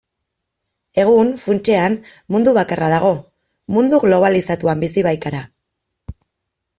Egun, funtsean, mundu bakarra dago, mundu globalizatuan bizi baikara.